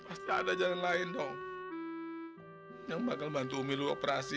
pasti ada jalan lain dong yang bakal bantu milu operasi